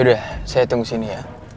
sudah saya tunggu sini ya